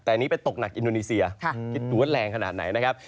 แต่อันนี้ไปตกหนักอินโดนีเซียคิดดูว่าแรงขนาดไหนนะครับ